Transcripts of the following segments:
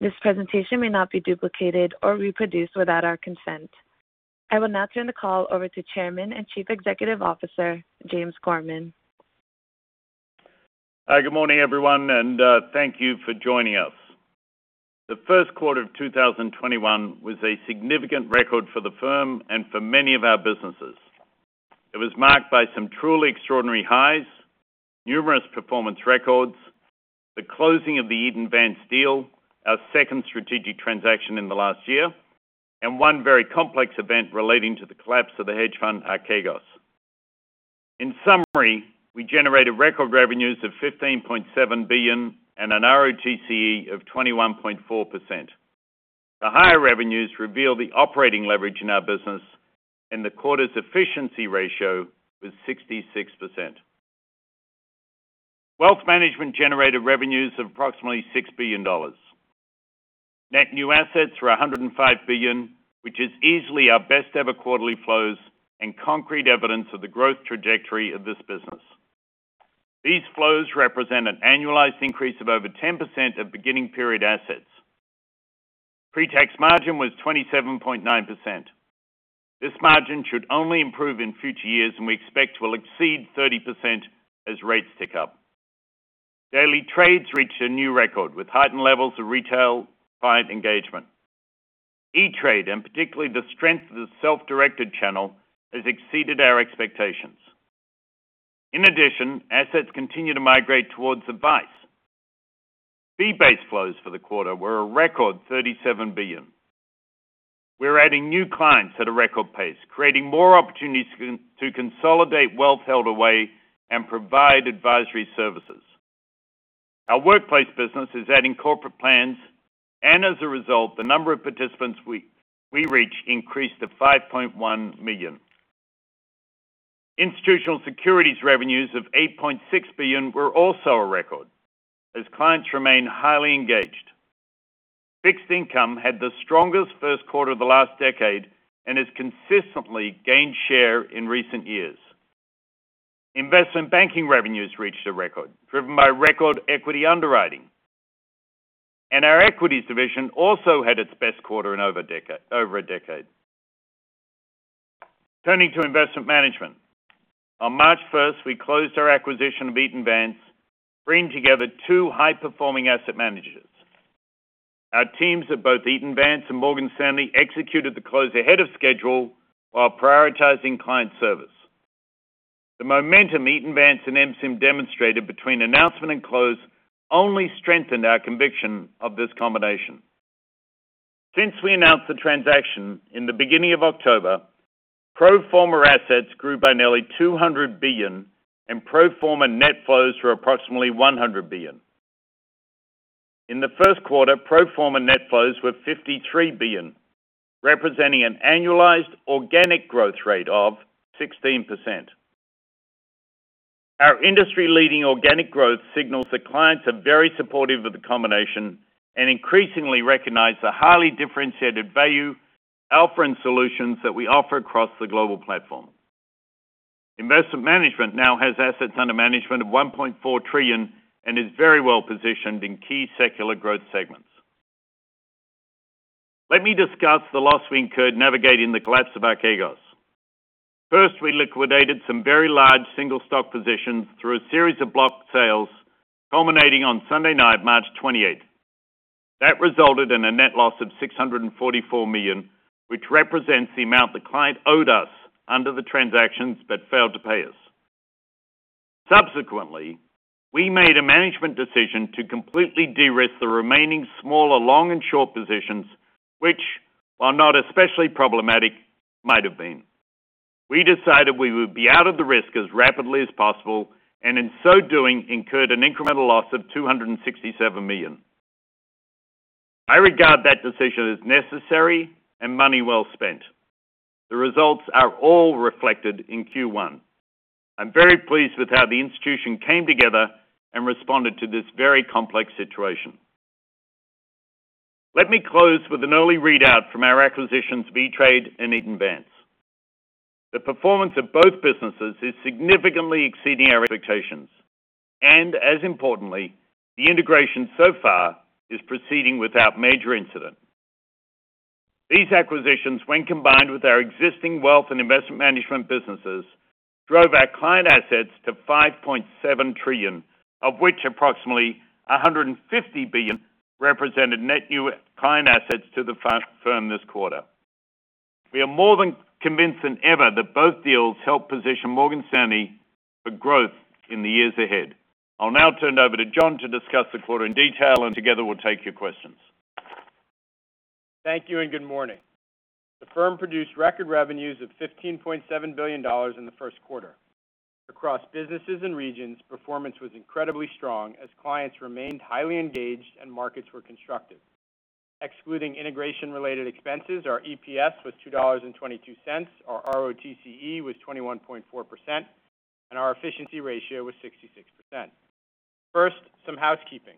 This presentation may not be duplicated or reproduced without our consent. I will now turn the call over to Chairman and Chief Executive Officer, James Gorman. Hi, good morning, everyone, and thank you for joining us. The first quarter of 2021 was a significant record for the firm and for many of our businesses. It was marked by some truly extraordinary highs, numerous performance records, the closing of the Eaton Vance deal, our second strategic transaction in the last year, and one very complex event relating to the collapse of the hedge fund, Archegos. In summary, we generated record revenues of $15.7 billion and an ROTCE of 21.4%. The higher revenues reveal the operating leverage in our business and the quarter's efficiency ratio was 66%. Wealth Management generated revenues of approximately $6 billion. Net new assets were $105 billion, which is easily our best ever quarterly flows and concrete evidence of the growth trajectory of this business. These flows represent an annualized increase of over 10% of beginning period assets. Pre-tax margin was 27.9%. This margin should only improve in future years, and we expect will exceed 30% as rates tick up. Daily trades reached a new record with heightened levels of retail client engagement. E*TRADE, and particularly the strength of the self-directed channel, has exceeded our expectations. In addition, assets continue to migrate towards advice. Fee-based flows for the quarter were a record $37 billion. We're adding new clients at a record pace, creating more opportunities to consolidate wealth held away and provide advisory services. Our workplace business is adding corporate plans, and as a result, the number of participants we reach increased to 5.1 million. Institutional Securities revenues of $8.6 billion were also a record as clients remain highly engaged. Fixed income had the strongest first quarter of the last decade and has consistently gained share in recent years. Investment banking revenues reached a record, driven by record equity underwriting. Our equities division also had its best quarter in over a decade. Turning to investment management. On March 1st, we closed our acquisition of Eaton Vance, bringing together two high-performing asset managers. Our teams at both Eaton Vance and Morgan Stanley executed the close ahead of schedule while prioritizing client service. The momentum Eaton Vance and MSIM demonstrated between announcement and close only strengthened our conviction of this combination. Since we announced the transaction in the beginning of October, pro forma assets grew by nearly $200 billion, and pro forma net flows were approximately $100 billion. In the first quarter, pro forma net flows were $53 billion, representing an annualized organic growth rate of 16%. Our industry-leading organic growth signals that clients are very supportive of the combination and increasingly recognize the highly differentiated value alpha and solutions that we offer across the global platform. Investment management now has assets under management of $1.4 trillion and is very well-positioned in key secular growth segments. Let me discuss the loss we incurred navigating the collapse of Archegos. First, we liquidated some very large single-stock positions through a series of block sales culminating on Sunday night, March 28th. That resulted in a net loss of $644 million, which represents the amount the client owed us under the transactions, but failed to pay us. Subsequently, we made a management decision to completely de-risk the remaining smaller long and short positions, which, while not especially problematic, might have been. We decided we would be out of the risk as rapidly as possible, and in so doing, incurred an incremental loss of $267 million. I regard that decision as necessary and money well spent. The results are all reflected in Q1. I'm very pleased with how the institution came together and responded to this very complex situation. Let me close with an early readout from our acquisitions, E*TRADE and Eaton Vance. The performance of both businesses is significantly exceeding our expectations, and as importantly, the integration so far is proceeding without major incident. These acquisitions, when combined with our existing wealth and investment management businesses, drove our client assets to $5.7 trillion, of which approximately $150 billion represented net new client assets to the firm this quarter. We are more than convinced than ever that both deals help position Morgan Stanley for growth in the years ahead. I'll now turn it over to Jon to discuss the quarter in detail, and together we'll take your questions. Thank you and good morning. The firm produced record revenues of $15.7 billion in the first quarter. Across businesses and regions, performance was incredibly strong as clients remained highly engaged and markets were constructive. Excluding integration-related expenses, our EPS was $2.22, our ROTCE was 21.4%, and our efficiency ratio was 66%. First, some housekeeping.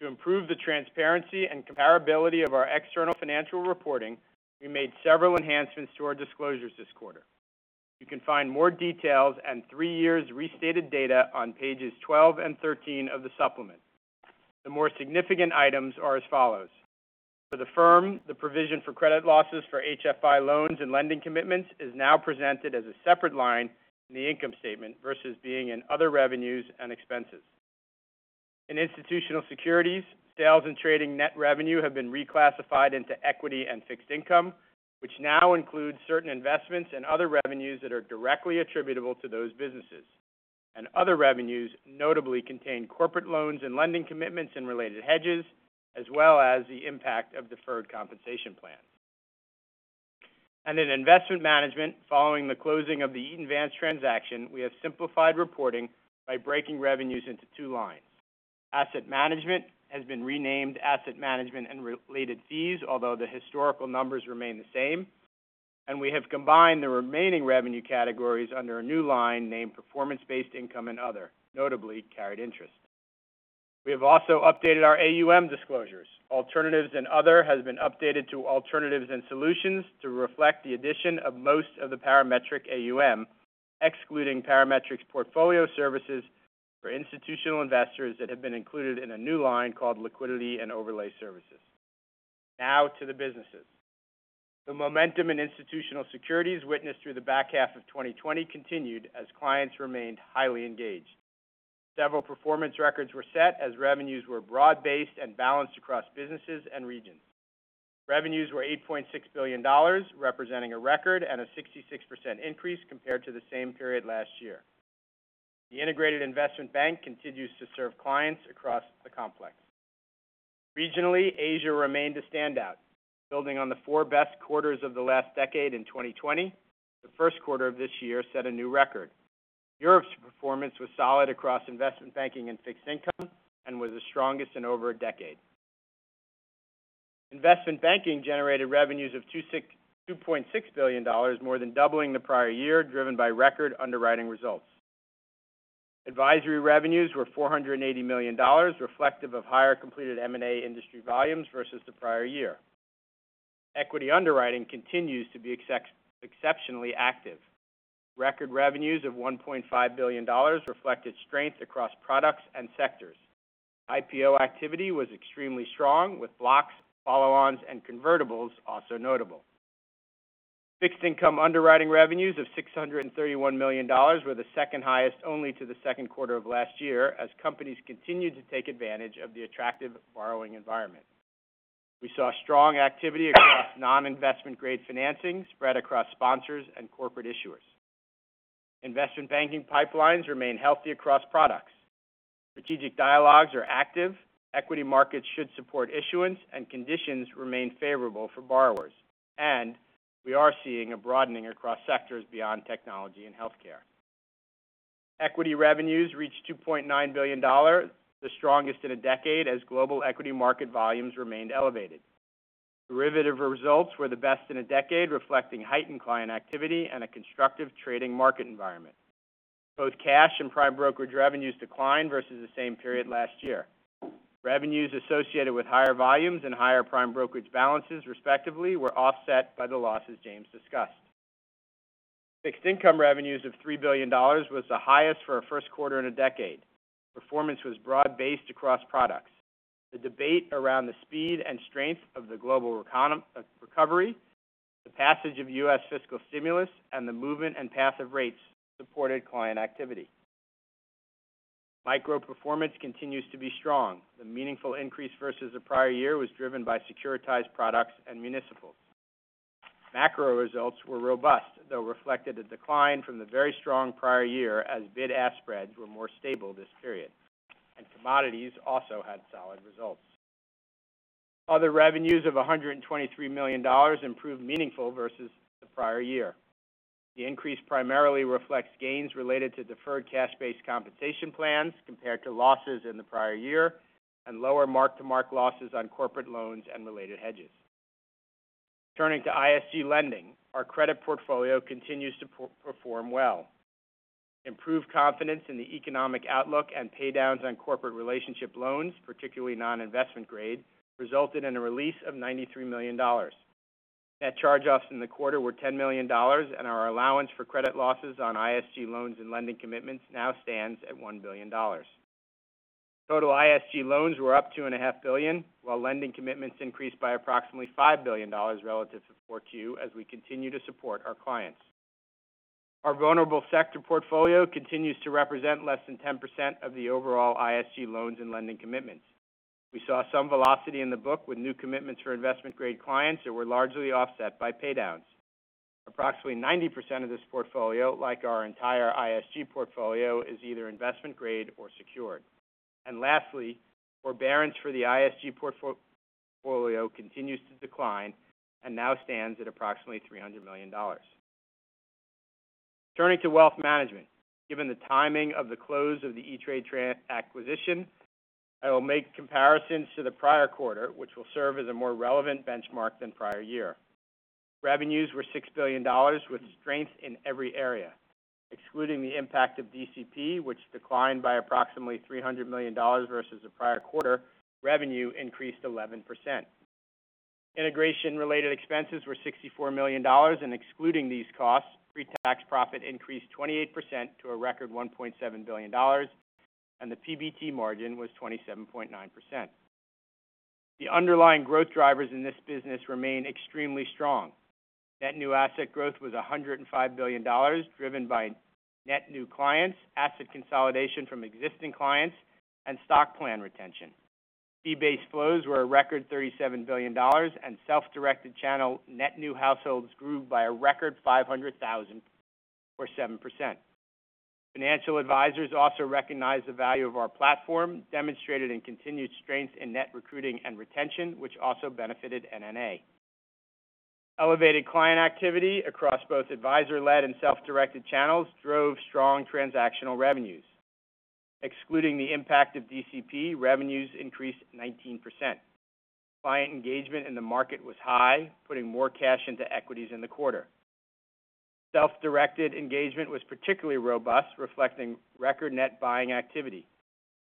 To improve the transparency and comparability of our external financial reporting, we made several enhancements to our disclosures this quarter. You can find more details and three years restated data on pages 12 and 13 of the supplement. The more significant items are as follows. For the firm, the provision for credit losses for HFI loans and lending commitments is now presented as a separate line in the income statement versus being in other revenues and expenses. In Institutional Securities, Sales and Trading net revenue have been reclassified into Equity and Fixed Income, which now includes certain investments and other revenues that are directly attributable to those businesses. Other revenues notably contain corporate loans and lending commitments and related hedges, as well as the impact of deferred compensation plans. In Investment Management, following the closing of the Eaton Vance transaction, we have simplified reporting by breaking revenues into two lines. Asset Management has been renamed Asset Management and Related Fees, although the historical numbers remain the same. We have combined the remaining revenue categories under a new line named Performance-Based Income and Other, notably carried interest. We have also updated our AUM disclosures. Alternatives and other has been updated to alternatives and solutions to reflect the addition of most of the Parametric AUM, excluding Parametric's portfolio services for institutional investors that have been included in a new line called liquidity and overlay services. Now to the businesses. The momentum in Institutional Securities witnessed through the back half of 2020 continued as clients remained highly engaged. Several performance records were set as revenues were broad-based and balanced across businesses and regions. Revenues were $8.6 billion, representing a record and a 66% increase compared to the same period last year. The integrated investment bank continues to serve clients across the complex. Regionally, Asia remained a standout. Building on the four best quarters of the last decade in 2020, the first quarter of this year set a new record. Europe's performance was solid across investment banking and fixed income and was the strongest in over a decade. Investment banking generated revenues of $2.6 billion, more than doubling the prior year, driven by record underwriting results. Advisory revenues were $480 million, reflective of higher completed M&A industry volumes versus the prior year. Equity underwriting continues to be exceptionally active. Record revenues of $1.5 billion reflected strength across products and sectors. IPO activity was extremely strong, with blocks, follow-ons, and convertibles also notable. Fixed income underwriting revenues of $631 million were the second highest only to the second quarter of last year, as companies continued to take advantage of the attractive borrowing environment. We saw strong activity across non-investment grade financings spread across sponsors and corporate issuers. Investment banking pipelines remain healthy across products. Strategic dialogues are active, equity markets should support issuance, conditions remain favorable for borrowers. We are seeing a broadening across sectors beyond technology and healthcare. Equity revenues reached $2.9 billion, the strongest in a decade, as global equity market volumes remained elevated. Derivative results were the best in a decade, reflecting heightened client activity and a constructive trading market environment. Both cash and prime brokerage revenues declined versus the same period last year. Revenues associated with higher volumes and higher prime brokerage balances, respectively, were offset by the losses James discussed. Fixed income revenues of $3 billion was the highest for a first quarter in a decade. Performance was broad-based across products. The debate around the speed and strength of the global recovery, the passage of U.S. fiscal stimulus, and the movement and path of rates supported client activity. Macro performance continues to be strong. The meaningful increase versus the prior year was driven by securitized products and municipals. Macro results were robust, though reflected a decline from the very strong prior year as bid-ask spreads were more stable this period. Commodities also had solid results. Other revenues of $123 million improved meaningfully versus the prior year. The increase primarily reflects gains related to deferred cash-based compensation plans, compared to losses in the prior year, and lower mark-to-market losses on corporate loans and related hedges. Turning to ISG lending. Our credit portfolio continues to perform well. Improved confidence in the economic outlook and paydowns on corporate relationship loans, particularly non-investment grade, resulted in a release of $93 million. Net charge-offs in the quarter were $10 million, and our allowance for credit losses on ISG loans and lending commitments now stands at $1 billion. Total ISG loans were up $2.5 billion, while lending commitments increased by approximately $5 billion relative to 4Q as we continue to support our clients. Our vulnerable sector portfolio continues to represent less than 10% of the overall ISG loans and lending commitments. We saw some velocity in the book with new commitments for investment-grade clients that were largely offset by paydowns. Approximately 90% of this portfolio, like our entire ISG portfolio, is either investment grade or secured. Lastly, forbearance for the ISG portfolio continues to decline and now stands at approximately $300 million. Turning to wealth management. Given the timing of the close of the E*TRADE acquisition, I will make comparisons to the prior quarter, which will serve as a more relevant benchmark than prior year. Revenues were $6 billion, with strength in every area. Excluding the impact of DCP, which declined by approximately $300 million versus the prior quarter, revenue increased 11%. Integration related expenses were $64 million, and excluding these costs, pre-tax profit increased 28% to a record $1.7 billion, and the PBT margin was 27.9%. The underlying growth drivers in this business remain extremely strong. Net new asset growth was $105 billion, driven by net new clients, asset consolidation from existing clients, and stock plan retention. Fee-based flows were a record $37 billion, and self-directed channel net new households grew by a record 500,000 or 7%. Financial advisors also recognized the value of our platform, demonstrated in continued strength in net recruiting and retention, which also benefited NNA. Elevated client activity across both advisor-led and self-directed channels drove strong transactional revenues. Excluding the impact of DCP, revenues increased 19%. Client engagement in the market was high, putting more cash into equities in the quarter. Self-directed engagement was particularly robust, reflecting record net buying activity.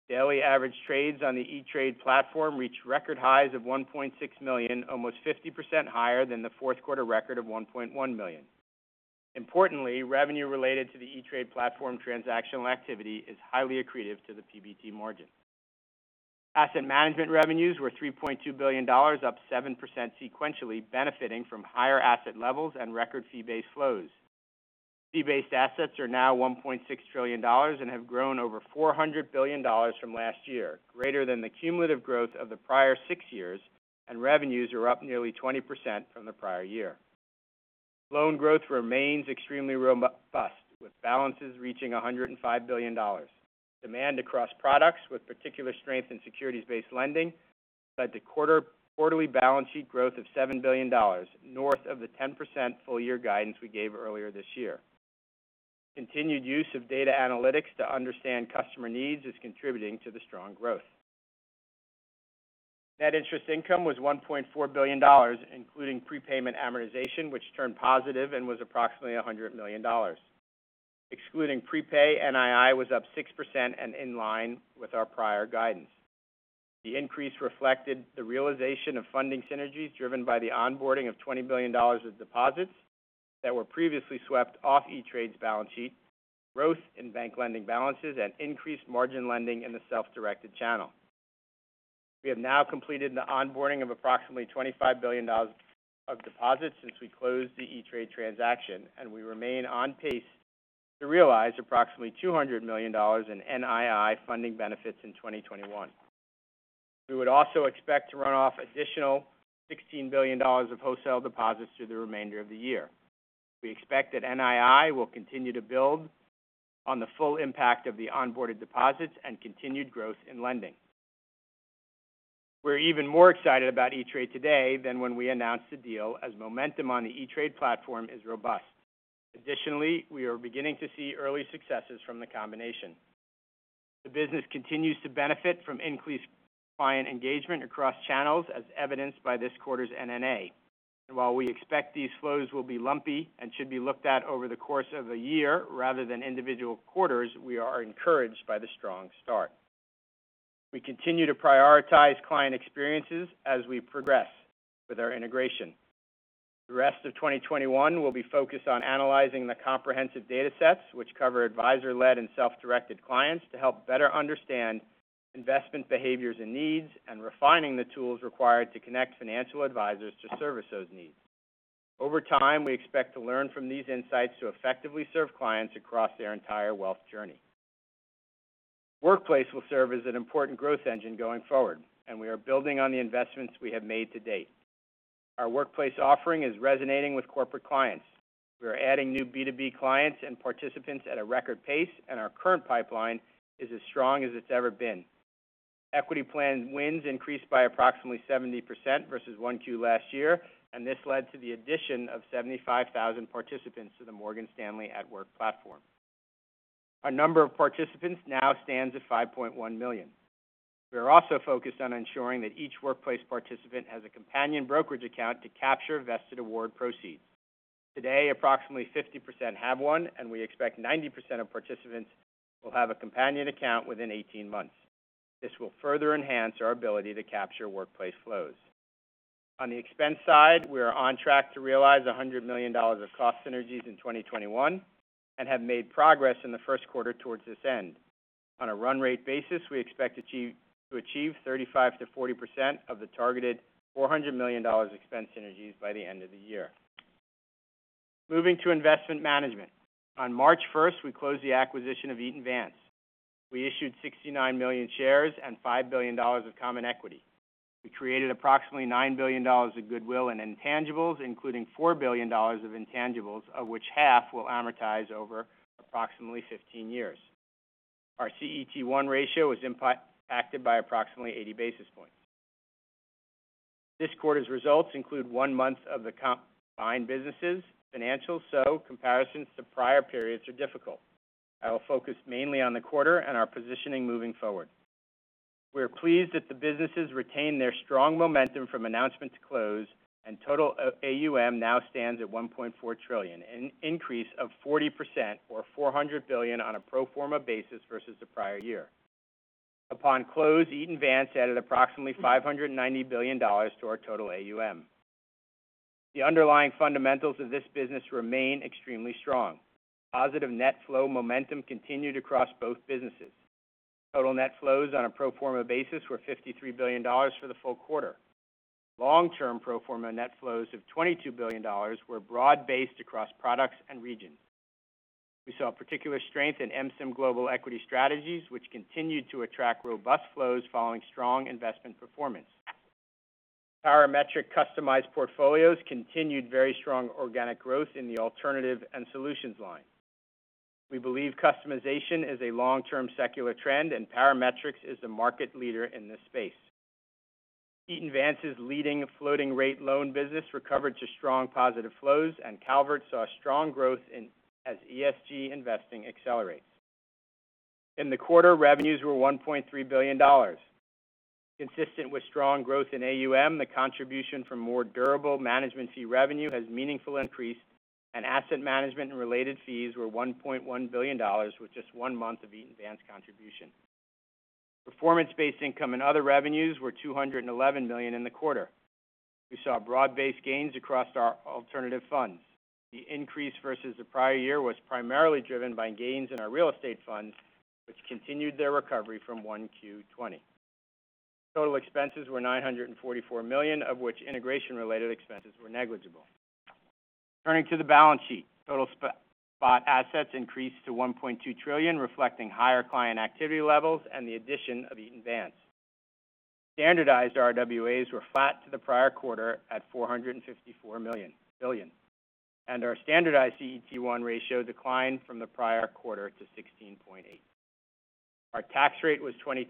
Daily average trades on the E*TRADE platform reached record highs of 1.6 million, almost 50% higher than the fourth quarter record of 1.1 million. Importantly, revenue related to the E*TRADE platform transactional activity is highly accretive to the PBT margin. Asset management revenues were $3.2 billion, up 7% sequentially, benefiting from higher asset levels and record fee-based flows. Fee-based assets are now $1.6 trillion and have grown over $400 billion from last year, greater than the cumulative growth of the prior six years, and revenues are up nearly 20% from the prior year. Loan growth remains extremely robust, with balances reaching $105 billion. Demand across products with particular strength in securities-based lending led to quarterly balance sheet growth of $7 billion, north of the 10% full-year guidance we gave earlier this year. Continued use of data analytics to understand customer needs is contributing to the strong growth. Net interest income was $1.4 billion, including prepayment amortization, which turned positive and was approximately $100 million. Excluding prepay, NII was up 6% and in line with our prior guidance. The increase reflected the realization of funding synergies driven by the onboarding of $20 billion of deposits that were previously swept off E*TRADE's balance sheet, growth in bank lending balances, and increased margin lending in the self-directed channel. We have now completed the onboarding of approximately $25 billion of deposits since we closed the E*TRADE transaction, and we remain on pace to realize approximately $200 million in NII funding benefits in 2021. We would also expect to run off $16 billion of wholesale deposits through the remainder of the year. We expect that NII will continue to build on the full impact of the onboarded deposits and continued growth in lending. We're even more excited about E*TRADE today than when we announced the deal, as momentum on the E*TRADE platform is robust. We are beginning to see early successes from the combination. The business continues to benefit from increased client engagement across channels, as evidenced by this quarter's NNA. While we expect these flows will be lumpy and should be looked at over the course of a year rather than individual quarters, we are encouraged by the strong start. We continue to prioritize client experiences as we progress with our integration. The rest of 2021 will be focused on analyzing the comprehensive data sets, which cover advisor-led and self-directed clients, to help better understand investment behaviors and needs and refining the tools required to connect financial advisors to service those needs. Over time, we expect to learn from these insights to effectively serve clients across their entire wealth journey. Workplace will serve as an important growth engine going forward, we are building on the investments we have made to date. Our workplace offering is resonating with corporate clients. We are adding new B2B clients and participants at a record pace, our current pipeline is as strong as it's ever been. Equity plan wins increased by approximately 70% versus 1Q last year, this led to the addition of 75,000 participants to the Morgan Stanley at Work platform. Our number of participants now stands at 5.1 million. We are also focused on ensuring that each workplace participant has a companion brokerage account to capture vested award proceeds. Today, approximately 50% have one, and we expect 90% of participants will have a companion account within 18 months. This will further enhance our ability to capture workplace flows. On the expense side, we are on track to realize $100 million of cost synergies in 2021 and have made progress in the first quarter towards this end. On a run rate basis, we expect to achieve 35%-40% of the targeted $400 million expense synergies by the end of the year. Moving to investment management. On March 1st, we closed the acquisition of Eaton Vance. We issued 69 million shares and $5 billion of common equity. We created approximately $9 billion of goodwill and intangibles, including $4 billion of intangibles, of which half will amortize over approximately 15 years. Our CET1 ratio was impacted by approximately 80 basis points. This quarter's results include one month of the combined businesses' financials, so comparisons to prior periods are difficult. I will focus mainly on the quarter and our positioning moving forward. We are pleased that the businesses retained their strong momentum from announcement to close, and total AUM now stands at $1.4 trillion, an increase of 40% or $400 billion on a pro forma basis versus the prior year. Upon close, Eaton Vance added approximately $590 billion to our total AUM. The underlying fundamentals of this business remain extremely strong. Positive net flow momentum continued across both businesses. Total net flows on a pro forma basis were $53 billion for the full quarter. Long-term pro forma net flows of $22 billion were broad-based across products and regions. We saw particular strength in MSIM Global Equity Strategies, which continued to attract robust flows following strong investment performance. Parametric customized portfolios continued very strong organic growth in the alternative and solutions line. We believe customization is a long-term secular trend, and Parametric is the market leader in this space. Eaton Vance's leading floating rate loan business recovered to strong positive flows, and Calvert saw strong growth as ESG investing accelerates. In the quarter, revenues were $1.3 billion. Consistent with strong growth in AUM, the contribution from more durable management fee revenue has meaningfully increased, and asset management and related fees were $1.1 billion, with just one month of Eaton Vance contribution. Performance-based income and other revenues were $211 million in the quarter. We saw broad-based gains across our alternative funds. The increase versus the prior year was primarily driven by gains in our real estate funds, which continued their recovery from 1Q 2020. Total expenses were $944 million, of which integration-related expenses were negligible. Turning to the balance sheet, total spot assets increased to $1.2 trillion, reflecting higher client activity levels and the addition of Eaton Vance. Standardized RWAs were flat to the prior quarter at $454 billion, and our standardized CET1 ratio declined from the prior quarter to 16.8. Our tax rate was 22%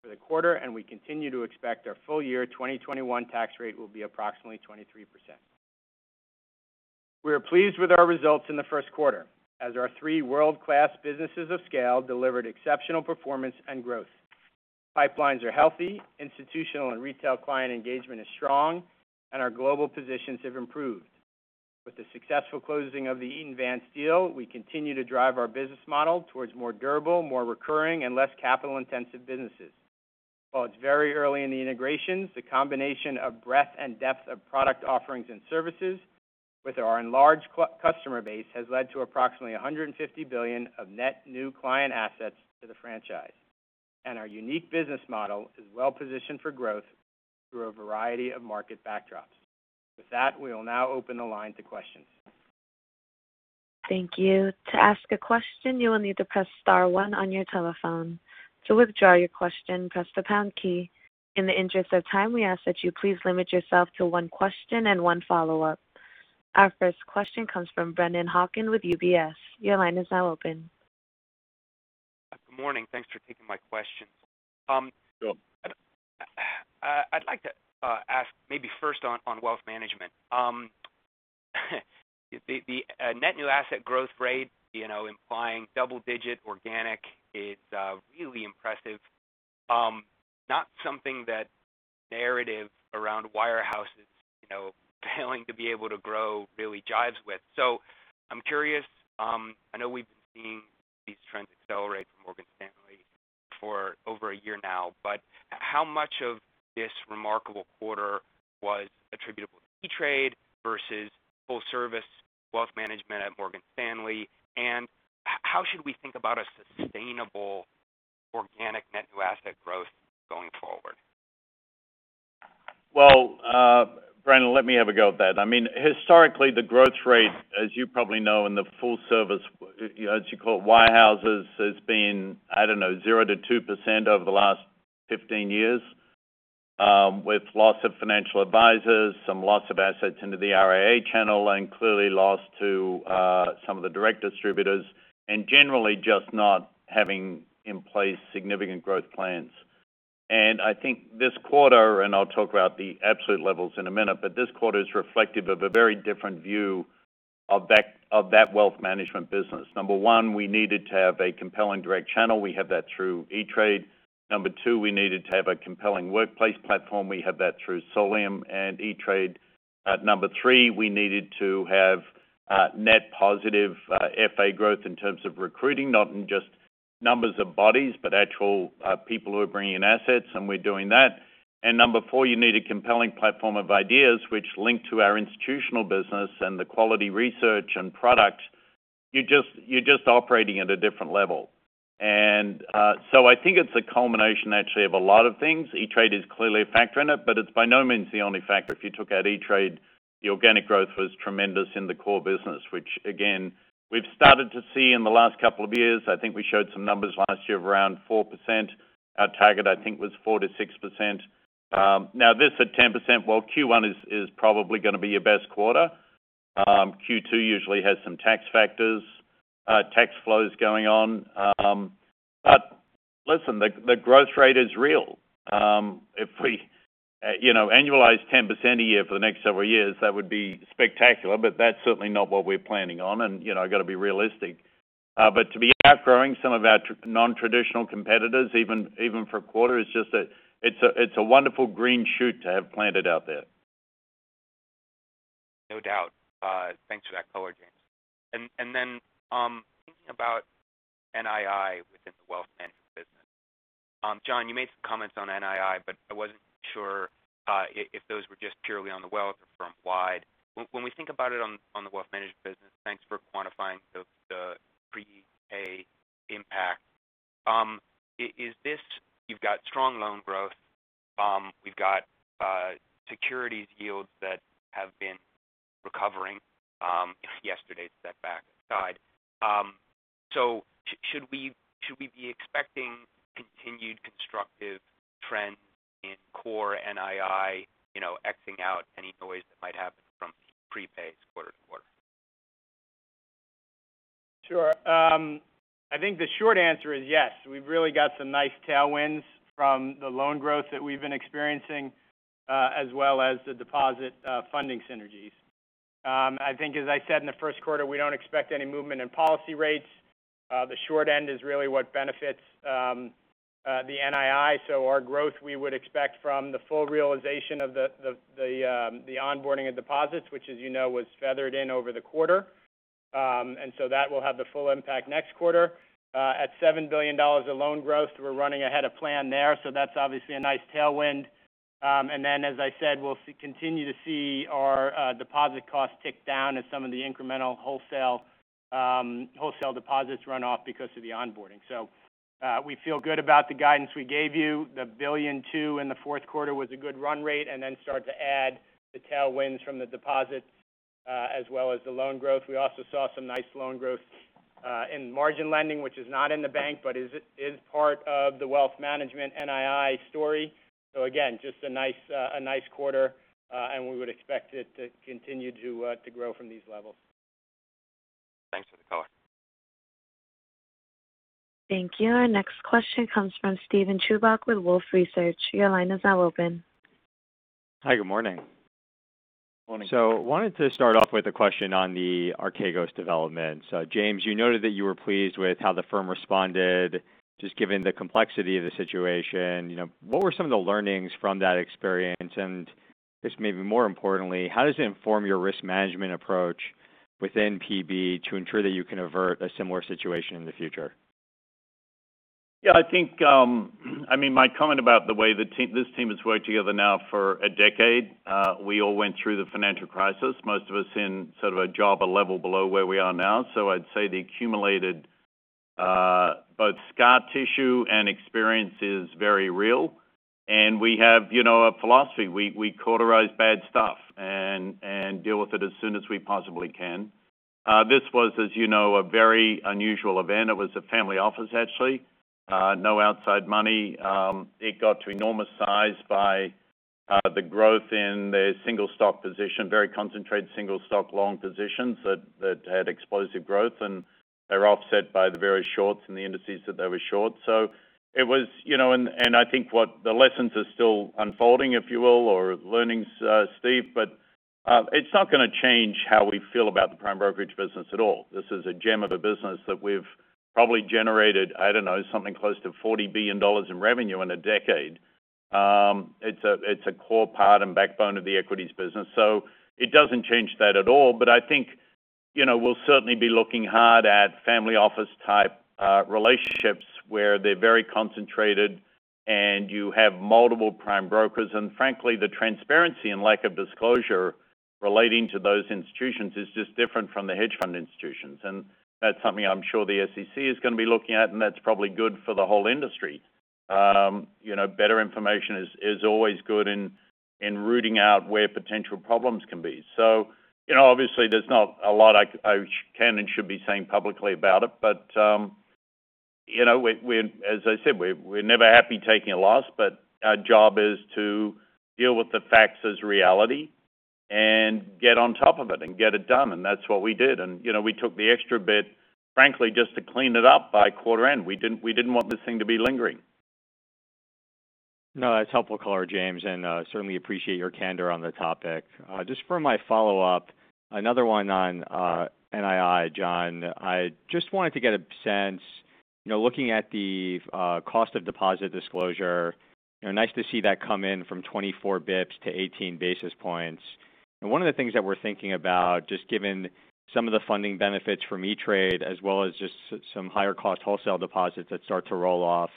for the quarter, and we continue to expect our full year 2021 tax rate will be approximately 23%. We are pleased with our results in the first quarter, as our three world-class businesses of scale delivered exceptional performance and growth. Pipelines are healthy, institutional and retail client engagement is strong, and our global positions have improved. With the successful closing of the Eaton Vance deal, we continue to drive our business model towards more durable, more recurring, and less capital-intensive businesses. While it's very early in the integrations, the combination of breadth and depth of product offerings and services with our enlarged customer base has led to approximately $150 billion of net new client assets to the franchise. Our unique business model is well positioned for growth through a variety of market backdrops. With that, we will now open the line to questions. Thank you to ask a question you will need to press star one on your telephone. To withdraw your question, press the pound key. In the interest of time, we ask that you please limit yourself to one question and one follow-up. Our first question comes from Brennan Hawken with UBS. Your line is now open. Good morning. Thanks for taking my questions. Sure. I'd like to ask maybe first on wealth management. The net new asset growth rate implying double-digit organic is really impressive. Not something that narrative around wirehouses failing to be able to grow really jives with. So I'm curious, I know we've been seeing these trends accelerate from Morgan Stanley for over a year now, but how much of this remarkable quarter was attributable to E*TRADE versus full service wealth management at Morgan Stanley? And how should we think about a sustainable organic net new asset growth going forward? Brennan, let me have a go at that. Historically, the growth rate, as you probably know, in the full service, as you call it, wirehouses, has been, I don't know, 0%-2% over the last 15 years. With loss of financial advisors, some loss of assets into the RIA channel, and clearly lost to some of the direct distributors, and generally just not having in place significant growth plans. I think this quarter, and I'll talk about the absolute levels in a minute, but this quarter is reflective of a very different view of that wealth management business. Number one, we needed to have a compelling direct channel. We have that through E*TRADE. Number two, we needed to have a compelling workplace platform. We have that through Solium and E*TRADE. Number three, we needed to have net positive FA growth in terms of recruiting, not in just numbers of bodies, but actual people who are bringing in assets, and we're doing that. Number four, you need a compelling platform of ideas which link to our institutional business and the quality research and product. You're just operating at a different level. I think it's a culmination actually of a lot of things. E*TRADE is clearly a factor in it, but it's by no means the only factor. If you took out E*TRADE, the organic growth was tremendous in the core business, which again, we've started to see in the last couple of years. I think we showed some numbers last year of around 4%. Our target, I think, was 4%-6%. Now, this at 10%, while Q1 is probably going to be your best quarter. Q2 usually has some tax factors, tax flows going on. Listen, the growth rate is real. If we annualize 10% a year for the next several years, that would be spectacular, but that's certainly not what we're planning on, and I've got to be realistic. To be outgrowing some of our non-traditional competitors, even for a quarter, it's a wonderful green shoot to have planted out there. No doubt. Thinking about NII within the Wealth Management business. Jon, you made some comments on NII, but I wasn't sure if those were just purely on the Wealth or firm-wide. When we think about it on the Wealth Management business, thanks for quantifying the prepay impact. You've got strong loan growth. We've got securities yields that have been recovering. Yesterday it set back aside. Should we be expecting continued constructive trends in core NII, exing out any noise that might happen from prepays quarter to quarter? Sure. I think the short answer is yes. We've really got some nice tailwinds from the loan growth that we've been experiencing, as well as the deposit funding synergies. I think as I said in the first quarter, we don't expect any movement in policy rates. The short end is really what benefits the NII. Our growth, we would expect from the full realization of the onboarding of deposits, which as you know, was feathered in over the quarter. That will have the full impact next quarter. At $7 billion of loan growth, we're running ahead of plan there, so that's obviously a nice tailwind. Then, as I said, we'll continue to see our deposit costs tick down as some of the incremental wholesale deposits run off because of the onboarding. We feel good about the guidance we gave you. The $1.2 billion in the fourth quarter was a good run rate. Start to add the tailwinds from the deposits as well as the loan growth. We also saw some nice loan growth in margin lending, which is not in the bank but is part of the wealth management NII story. Again, just a nice quarter, and we would expect it to continue to grow from these levels. Thanks for the color. Thank you. Our next question comes from Steven Chubak with Wolfe Research. Your line is now open. Hi, good morning. Morning. Wanted to start off with a question on the Archegos developments. James, you noted that you were pleased with how the firm responded, just given the complexity of the situation. What were some of the learnings from that experience? I guess maybe more importantly, how does it inform your risk management approach within PB to ensure that you can avert a similar situation in the future? Yeah. I mean, my comment about the way this team has worked together now for a decade. We all went through the financial crisis, most of us in sort of a job a level below where we are now. I'd say the accumulated both scar tissue and experience is very real. We have a philosophy. We cauterize bad stuff and deal with it as soon as we possibly can. This was, as you know, a very unusual event. It was a family office, actually. No outside money. It got to enormous size by the growth in their single stock position, very concentrated single stock long positions that had explosive growth, and they were offset by the very shorts in the indices that they were short. I think what the lessons are still unfolding, if you will, or learnings, Steven, but it's not going to change how we feel about the prime brokerage business at all. This is a gem of a business that we've probably generated, I don't know, something close to $40 billion in revenue in a decade. It's a core part and backbone of the equities business, so it doesn't change that at all. I think we'll certainly be looking hard at family office type relationships where they're very concentrated and you have multiple prime brokers. Frankly, the transparency and lack of disclosure relating to those institutions is just different from the hedge fund institutions. That's something I'm sure the SEC is going to be looking at, and that's probably good for the whole industry. Better information is always good in rooting out where potential problems can be. Obviously, there's not a lot I can and should be saying publicly about it. As I said, we're never happy taking a loss, but our job is to deal with the facts as reality and get on top of it and get it done. That's what we did. We took the extra bit, frankly, just to clean it up by quarter end. We didn't want this thing to be lingering. No, that's helpful color, James, and certainly appreciate your candor on the topic. Just for my follow-up, another one on NII, Jon. I just wanted to get a sense, looking at the cost of deposit disclosure, nice to see that come in from 24 basis points to 18 basis points. One of the things that we're thinking about, just given some of the funding benefits from E*TRADE as well as just some higher cost wholesale deposits that start to roll off,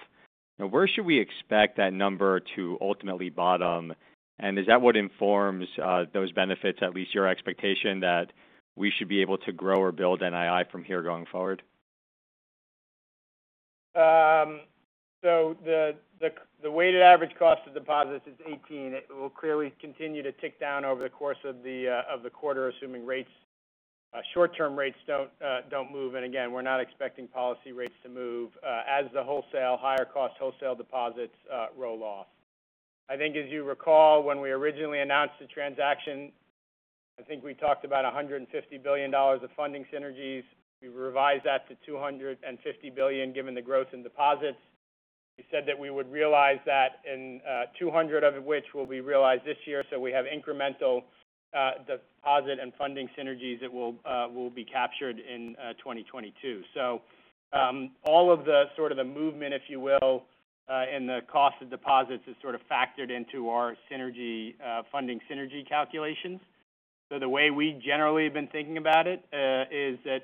where should we expect that number to ultimately bottom? Is that what informs those benefits, at least your expectation that we should be able to grow or build NII from here going forward? The weighted average cost of deposits is 18. It will clearly continue to tick down over the course of the quarter, assuming short-term rates don't move. Again, we're not expecting policy rates to move as the higher cost wholesale deposits roll off. As you recall when we originally announced the transaction, we talked about $150 billion of funding synergies. We revised that to $250 billion given the growth in deposits. We said that we would realize that, and 200 of which will be realized this year. We have incremental deposit and funding synergies that will be captured in 2022. All of the sort of the movement, if you will, in the cost of deposits is sort of factored into our funding synergy calculations. The way we generally have been thinking about it is that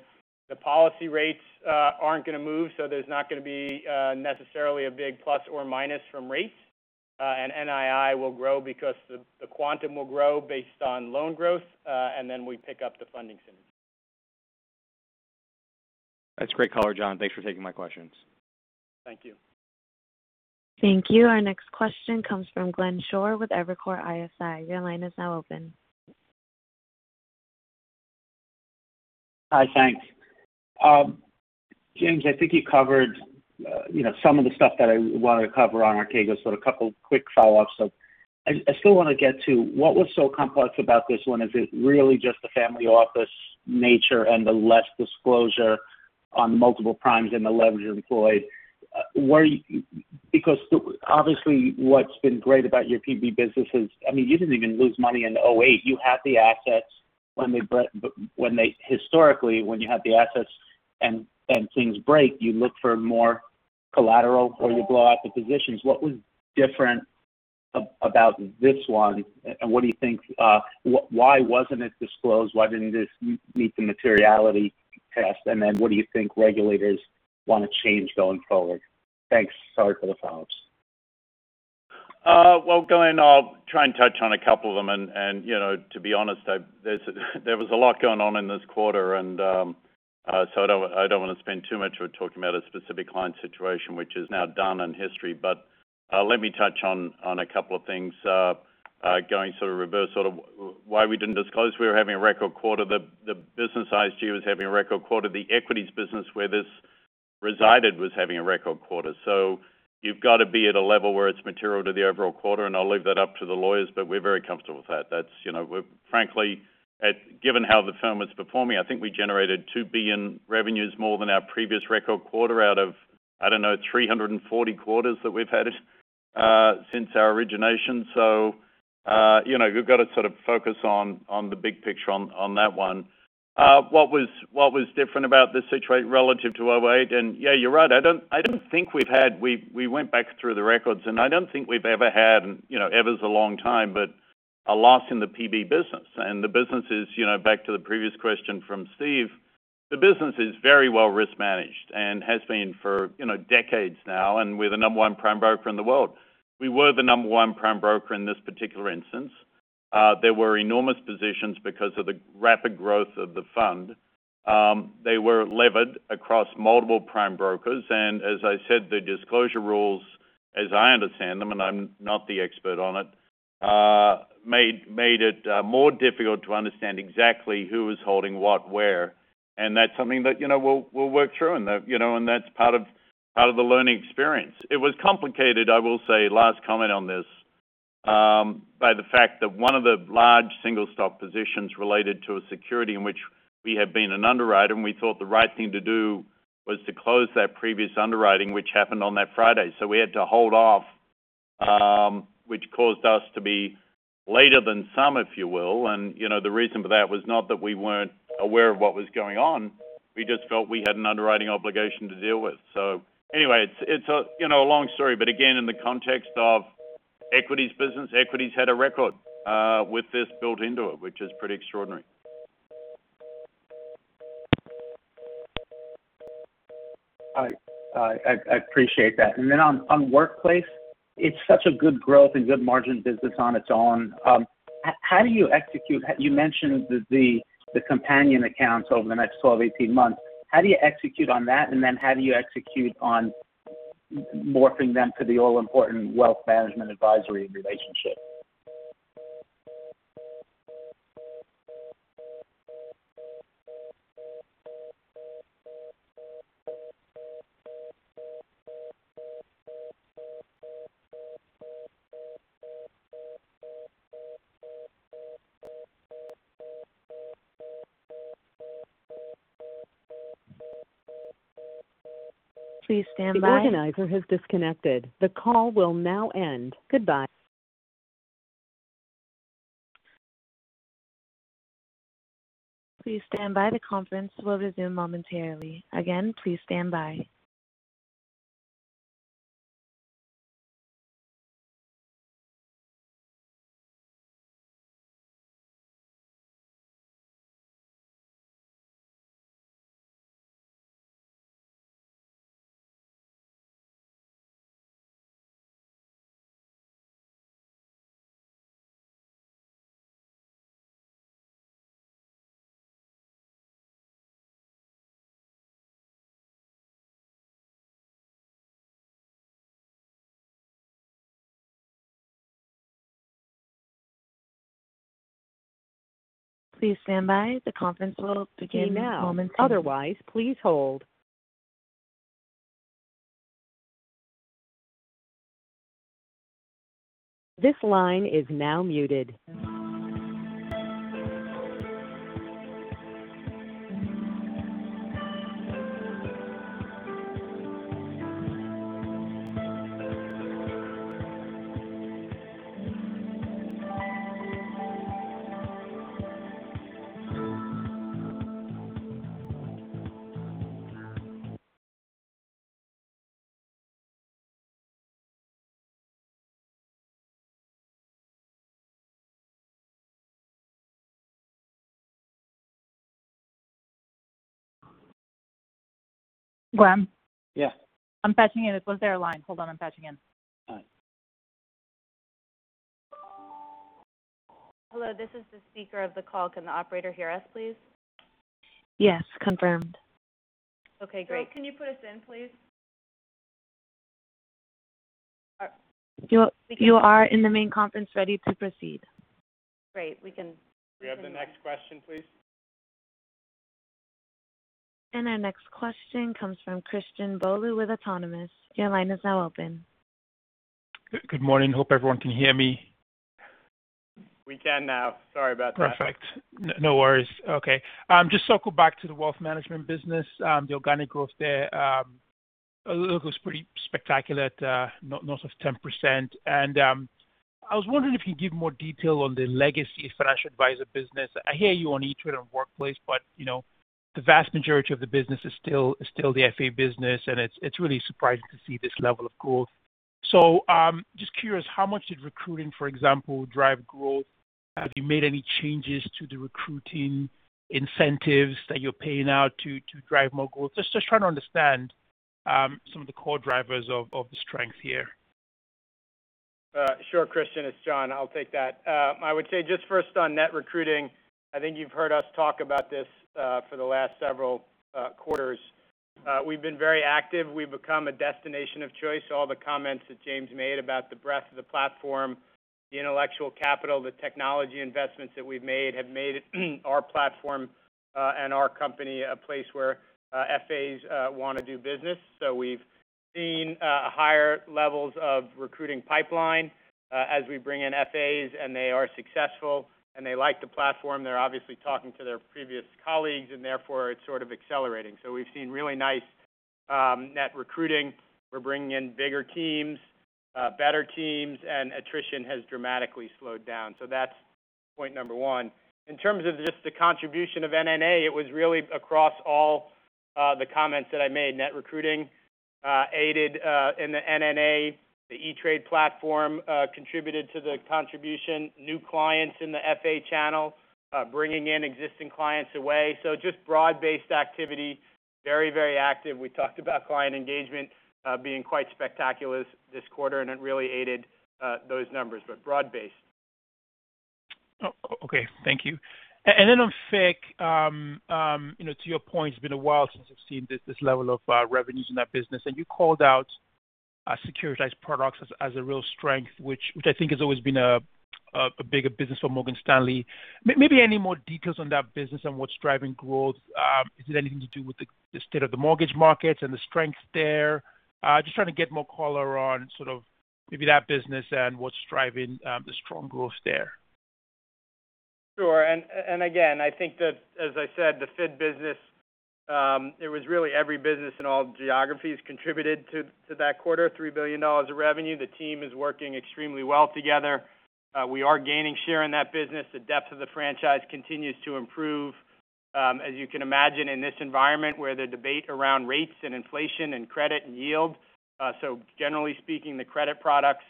the policy rates aren't going to move, so there's not going to be necessarily a big plus or minus from rates. NII will grow because the quantum will grow based on loan growth, and then we pick up the funding synergy. That's a great color, Jon. Thanks for taking my questions. Thank you. Thank you. Our next question comes from Glenn Schorr with Evercore ISI. Your line is now open. Hi, thanks. James, I think you covered some of the stuff that I wanted to cover on Archegos, a couple quick follow-ups. I still want to get to what was so complex about this one. Is it really just the family office nature and the less disclosure on the multiple primes and the leverage employed? Obviously what's been great about your PB business is you didn't even lose money in 2008. Historically, when you have the assets and things break, you look for more collateral or you blow out the positions. What was different about this one, why wasn't it disclosed? Why didn't this meet the materiality test? What do you think regulators want to change going forward? Thanks. Sorry for the follow-ups. Well, Glenn, I'll try and touch on a couple of them. To be honest, there was a lot going on in this quarter, and so I don't want to spend too much talking about a specific client situation, which is now done and history. Let me touch on a couple of things, going sort of reverse, why we didn't disclose we were having a record quarter. The business ISG was having a record quarter. The equities business where this resided was having a record quarter. You've got to be at a level where it's material to the overall quarter, and I'll leave that up to the lawyers, but we're very comfortable with that. Frankly, given how the firm was performing, I think we generated $2 billion revenues more than our previous record quarter out of, I don't know, 340 quarters that we've had since our origination. You've got to sort of focus on the big picture on that one. What was different about this situation relative to 2008? Yeah, you're right. We went back through the records, and I don't think we've ever had, ever is a long time, but a loss in the PB business. Back to the previous question from Steve, the business is very well risk managed and has been for decades now, and we're the number one prime broker in the world. We were the number one prime broker in this particular instance. There were enormous positions because of the rapid growth of the fund. They were levered across multiple prime brokers. As I said, the disclosure rules, as I understand them, and I'm not the expert on it, made it more difficult to understand exactly who was holding what where, and that's something that we'll work through, and that's part of the learning experience. It was complicated, I will say, last comment on this, by the fact that one of the large single stock positions related to a security in which we had been an underwriter, and we thought the right thing to do was to close that previous underwriting, which happened on that Friday. We had to hold off, which caused us to be later than some, if you will. The reason for that was not that we weren't aware of what was going on. We just felt we had an underwriting obligation to deal with. Anyway, it's a long story, but again, in the context of equities business, equities had a record with this built into it, which is pretty extraordinary. I appreciate that. On Workplace, it's such a good growth and good margin business on its own. You mentioned the companion accounts over the next 12, 18 months. How do you execute on that, how do you execute on morphing them to the all-important wealth management advisory relationship? Please stand by. Please stand by. The conference will resume momentarily. Again, please stand by. Please stand by. The conference will begin momentarily. Gorman? Yeah. I'm patching you in. Was there a line? Hold on, I'm patching in. All right. Hello, this is the speaker of the call. Can the operator hear us, please? Yes, confirmed. Okay, great. Great. Can you put us in, please? You are in the main conference ready to proceed. Great. We have the next question, please. Our next question comes from Christian Bolu with Autonomous. Good morning. Hope everyone can hear me. We can now. Sorry about that. Perfect. No worries. Okay. Just circle back to the Wealth Management business, the organic growth there, it looks pretty spectacular at north of 10%. I was wondering if you could give more detail on the legacy financial advisor business. I hear you on E*TRADE and Workplace, the vast majority of the business is still the FA business, and it's really surprising to see this level of growth. Just curious, how much did recruiting, for example, drive growth? Have you made any changes to the recruiting incentives that you're paying out to drive more growth? Just trying to understand some of the core drivers of the strength here. Sure, Christian. It's Jon. I'll take that. I would say just first on net recruiting, I think you've heard us talk about this for the last several quarters. We've been very active. We've become a destination of choice. All the comments that James made about the breadth of the platform, the intellectual capital, the technology investments that we've made have made our platform, and our company, a place where FAs want to do business. We've seen higher levels of recruiting pipeline as we bring in FAs, and they are successful, and they like the platform. They're obviously talking to their previous colleagues, and therefore, it's sort of accelerating. We've seen really nice net recruiting. We're bringing in bigger teams, better teams, and attrition has dramatically slowed down. That's point number one. In terms of just the contribution of NNA, it was really across all the comments that I made. Net recruiting aided in the NNA. The E*TRADE platform contributed to the contribution. New clients in the FA channel, bringing in existing clients away. Just broad-based activity, very active. We talked about client engagement being quite spectacular this quarter, and it really aided those numbers, but broad based. Okay. Thank you. On FIC, to your point, it's been a while since we've seen this level of revenues in that business. You called out securitized products as a real strength, which I think has always been a bigger business for Morgan Stanley. Maybe any more details on that business and what's driving growth? Is it anything to do with the state of the mortgage markets and the strength there? Just trying to get more color on sort of maybe that business and what's driving the strong growth there. Sure. Again, I think that, as I said, the FIC business, it was really every business in all geographies contributed to that quarter, $3 billion of revenue. The team is working extremely well together. We are gaining share in that business. The depth of the franchise continues to improve. As you can imagine, in this environment where the debate around rates and inflation and credit and yield. Generally speaking, the credit products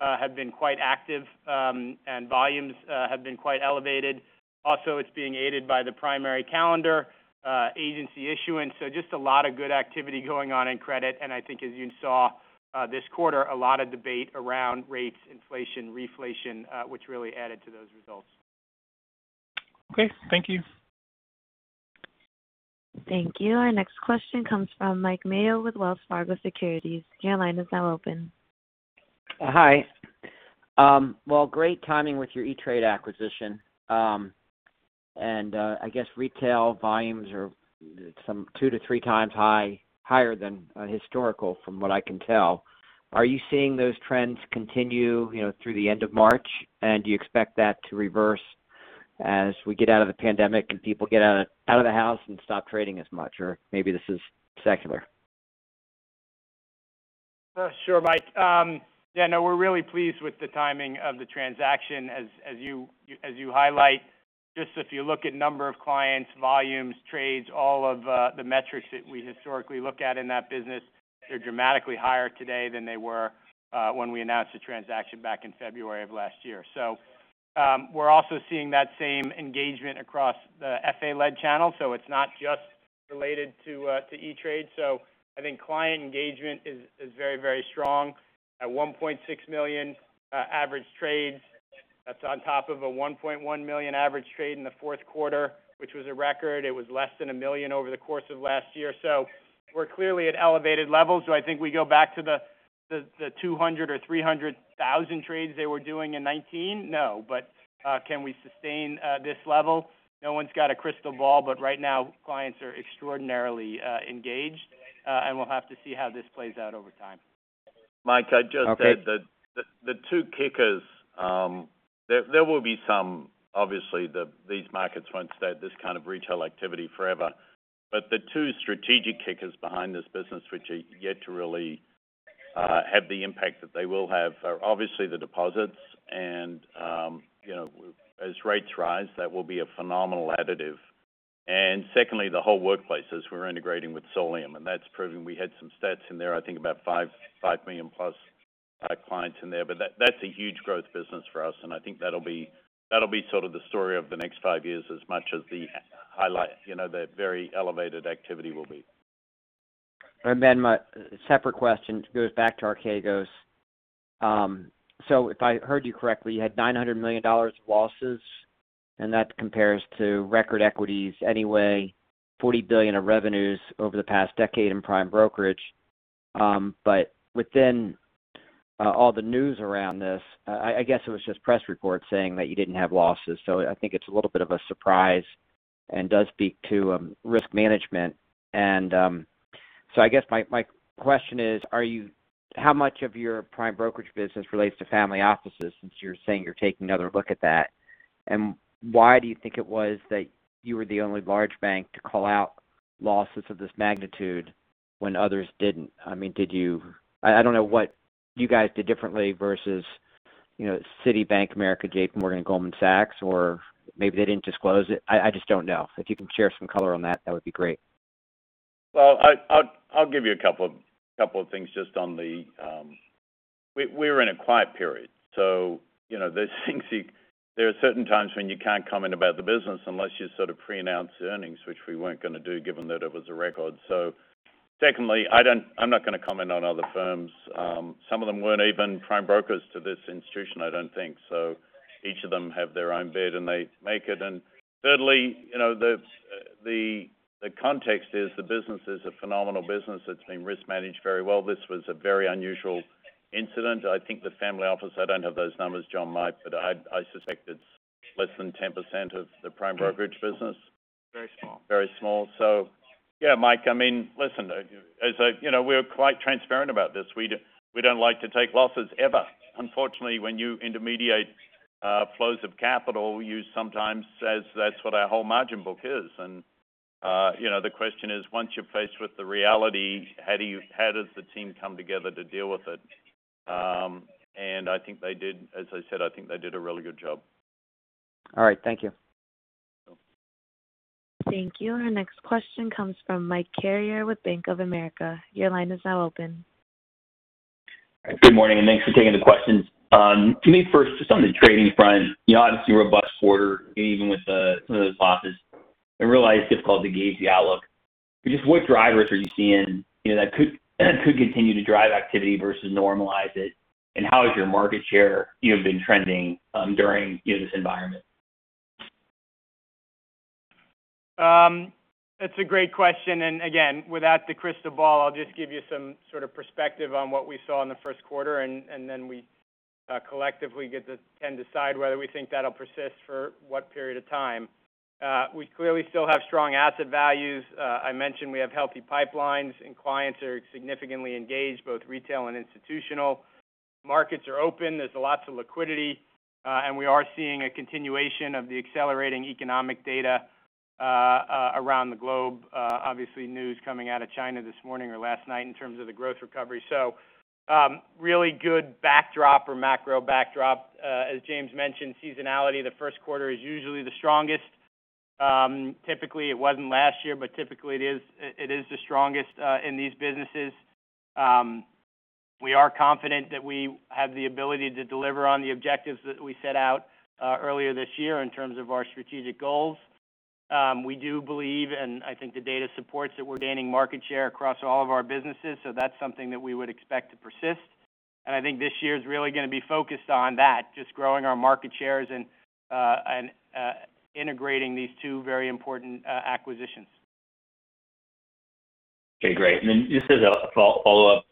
have been quite active, and volumes have been quite elevated. Also, it's being aided by the primary calendar, agency issuance. Just a lot of good activity going on in credit. I think as you saw this quarter, a lot of debate around rates, inflation, reflation which really added to those results. Okay. Thank you. Thank you. Our next question comes from Mike Mayo with Wells Fargo Securities. Your line is now open. Hi. Well, great timing with your E*TRADE acquisition. I guess retail volumes are two to three times higher than historical, from what I can tell. Are you seeing those trends continue through the end of March, and do you expect that to reverse as we get out of the pandemic and people get out of the house and stop trading as much, or maybe this is secular? Sure, Mike. Yeah, no, we're really pleased with the timing of the transaction. As you highlight, just if you look at number of clients, volumes, trades, all of the metrics that we historically look at in that business, they're dramatically higher today than they were when we announced the transaction back in February of last year. We're also seeing that same engagement across the FA-led channel. It's not just related to E*TRADE. I think client engagement is very strong at 1.6 million average trades. That's on top of a 1.1 million average trade in the fourth quarter, which was a record. It was less than 1 million over the course of last year. We're clearly at elevated levels. Do I think we go back to the 200,000 or 300,000 trades they were doing in 2019? No. Can we sustain this level? No one's got a crystal ball, but right now, clients are extraordinarily engaged. We'll have to see how this plays out over time. Mike, I'd just add that the two kickers, there will be some, obviously, these markets won't stay at this kind of retail activity forever. The two strategic kickers behind this business, which are yet to really have the impact that they will have, are obviously the deposits. As rates rise, that will be a phenomenal additive. Secondly, the whole Morgan Stanley at Work we're integrating with Solium, and that's proving, we had some stats in there, I think about 5 million+ clients. That's a huge growth business for us, and I think that'll be sort of the story of the next five years, as much as the highlight, the very elevated activity will be. My separate question goes back to Archegos. If I heard you correctly, you had $900 million of losses, and that compares to record equities anyway, $40 billion of revenues over the past decade in prime brokerage. Within all the news around this, I guess it was just press reports saying that you didn't have losses. I think it's a little bit of a surprise and does speak to risk management. I guess my question is, how much of your prime brokerage business relates to family offices, since you're saying you're taking another look at that? Why do you think it was that you were the only large bank to call out losses of this magnitude when others didn't? I don't know what you guys did differently versus Citibank, Bank of America, JPMorgan, Goldman Sachs, or maybe they didn't disclose it. I just don't know. If you can share some color on that would be great. I'll give you a couple of things. We're in a quiet period. There are certain times when you can't comment about the business unless you sort of pre-announce the earnings, which we weren't going to do given that it was a record. Secondly, I'm not going to comment on other firms. Some of them weren't even prime brokers to this institution, I don't think, so each of them have their own bid, and they make it. Thirdly, the context is the business is a phenomenal business. It's been risk managed very well. This was a very unusual incident. I think the family office, I don't have those numbers, Jon, Mike, but I suspect it's less than 10% of the prime brokerage business. Very small. Very small. Yeah, Mike, listen, we're quite transparent about this. We don't like to take losses ever. Unfortunately, when you intermediate flows of capital, you sometimes, as that's what our whole margin book is. The question is, once you're faced with the reality, how does the team come together to deal with it? I think they did, as I said, I think they did a really good job. All right. Thank you. You're welcome. Thank you. Our next question comes from Mike Carrier with Bank of America. Your line is now open. Good morning, thanks for taking the questions. To me, first, just on the trading front, obviously, a robust quarter, even with some of those losses. I realize it's difficult to gauge the outlook. Just what drivers are you seeing that could continue to drive activity versus normalize it, and how has your market share been trending during this environment? It's a great question. Again, without the crystal ball, I'll just give you some sort of perspective on what we saw in the first quarter, and then we collectively get to decide whether we think that'll persist for what period of time. We clearly still have strong asset values. I mentioned we have healthy pipelines. Clients are significantly engaged, both retail and institutional. Markets are open. There's lots of liquidity. We are seeing a continuation of the accelerating economic data around the globe. Obviously, news coming out of China this morning or last night in terms of the growth recovery. Really good backdrop or macro backdrop. As James mentioned, seasonality, the first quarter is usually the strongest. It wasn't last year. Typically it is the strongest in these businesses. We are confident that we have the ability to deliver on the objectives that we set out earlier this year in terms of our strategic goals. We do believe, and I think the data supports, that we're gaining market share across all of our businesses, so that's something that we would expect to persist. I think this year is really going to be focused on that, just growing our market shares and integrating these two very important acquisitions. Okay, great. Then just as a follow-up,